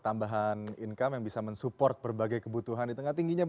tambahan income yang bisa mensupport berbagai kebutuhan di tengah tingginya